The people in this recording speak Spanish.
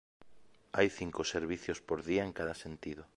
Hay cinco servicios por día en cada sentido.